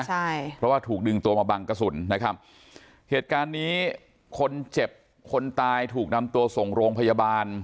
ใช่เพราะว่าถูกดึงตัวมาบังกระสุนนะครับเหตุการณ์นี้คนเจ็บคนตายถูกนำตัวส่งโรงพยาบาล